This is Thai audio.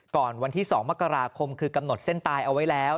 วันที่๒มกราคมคือกำหนดเส้นตายเอาไว้แล้ว